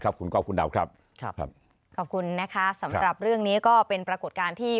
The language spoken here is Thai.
ครับขอบคุณครับขอบคุณนะคะสำหรับเรื่องนี้ก็เป็นปรากฏการที่